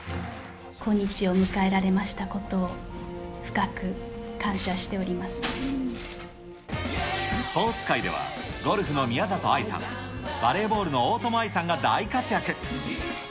今日を迎えられましたことを、スポーツ界では、ゴルフの宮里藍さん、バレーボールの大友愛さんが大活躍。